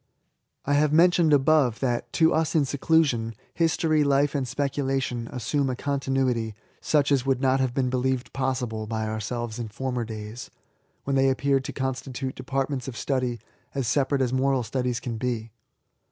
I have mentioned above, that, to us in sedusion. History, Life, and Speculation, assume a continuity such as would not have been believed possible by ourselves in fonner days, when they appeared to constitute departments of study as separate as moral studies can be.